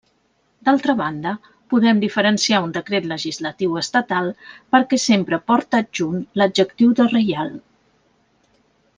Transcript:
D'altra banda, podem diferenciar un decret legislatiu estatal perquè sempre porta adjunt l'adjectiu de reial.